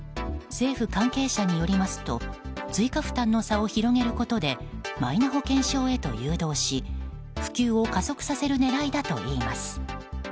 政府関係者によりますと追加負担の差を広げることでマイナ保険証へと誘導し、普及を加速させる狙いだといいます。